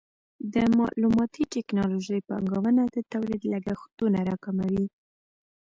د معلوماتي ټکنالوژۍ پانګونه د تولید لګښتونه راکموي.